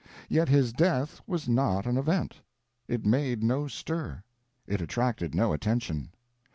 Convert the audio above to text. Yet his death was not an event. It made no stir, it attracted no attention.